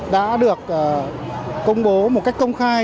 đã được công bố một cách công khai